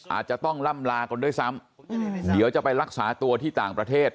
อาจจะต้องล่ำลากันด้วยซ้ำเดี๋ยวจะไปรักษาตัวที่ต่างประเทศ